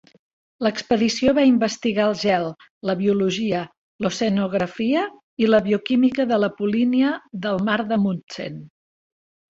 L'expedició va investigar el gel, la biologia, l'oceanografia i la bioquímica de la polínia del mar d'Amundsen.